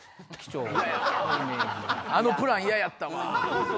あのプラン嫌やったわ。